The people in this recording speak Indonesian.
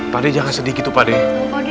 pakai jangan sedih begitu pakai